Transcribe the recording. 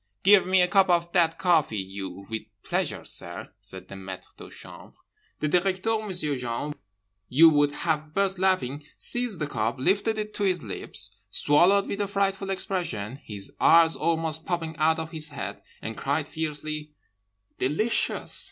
'Give me a cup of that coffee, you!'—'With pleasure, sir,' said the maitre de chambre. The Directeur—M'sieu' Jean, you would have burst laughing—seized the cup, lifted it to his lips, swallowed with a frightful expression (his eyes almost popping out of his head) and cried fiercely, 'DELICIOUS!